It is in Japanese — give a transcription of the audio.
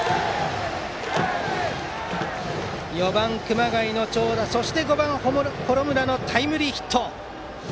４番、熊谷の長打そして５番、幌村のタイムリーヒット。